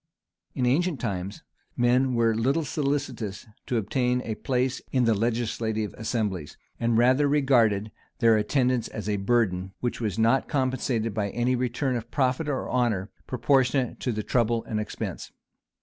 In ancient times, men were little solicitous to obtain a place in the legislative assemblies; and rather regarded their attendance as a burden, which was not compensated by any return of profit or honor, proportionate to the trouble and expense.